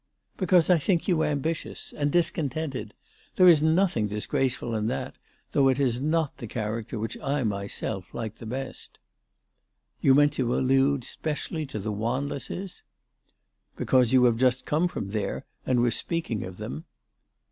" Because I think you ambitious, and discontented. There is nothing disgraceful in that, though it is not the character which I myself like the best." " You meant to allude specially to the Wanlesses ?"" Because you have just come from there, and were speaking of them."